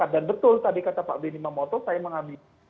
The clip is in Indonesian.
dan betul tadi kata pak bini mamoto saya mengambil